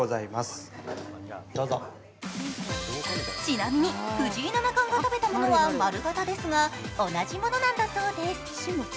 ちなみに藤井七冠が食べたものは丸型ですが、同じものなんだそうです。